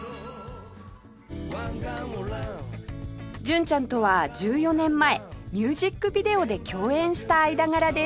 純ちゃんとは１４年前ミュージックビデオで共演した間柄です